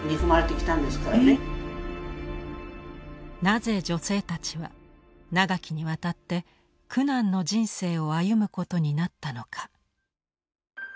なぜ女性たちは長きにわたって苦難の人生を歩むことになったのか。